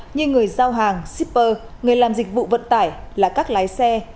như người giao hàng shipper người làm dịch vụ vận tải là các lái xe